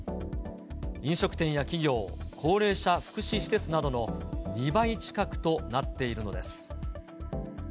飲食店や企業、高齢者福祉施設などの２倍近くとなっているのです。